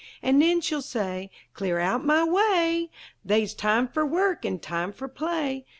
An' nen she'll say: "Clear out o' my way! They's time fer work, an' time fer play!